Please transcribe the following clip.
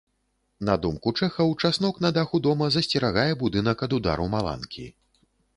На думку чэхаў, часнок на даху дома засцерагае будынак ад удару маланкі.